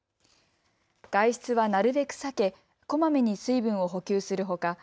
外出はなるべく避け、こまめに水分を補給するほか